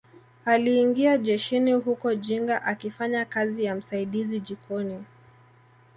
Aliingia jeshini huko Jinja akifanya kazi ya msaidizi jikoni